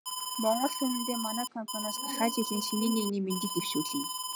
Монгол түмэндээ манай компаниас гахай жилийн шинийн нэгний мэндийг дэвшүүлье.